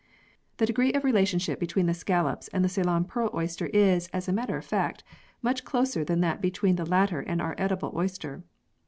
The degree of re lationship between the scallops and the Ceylon pearl oyster is, as a matter of fact, much closer than that between the latter and our edible oyster.